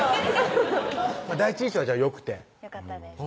第一印象はよくてよかったですね